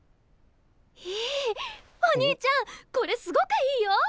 いいお兄ちゃんこれすごくいいよ。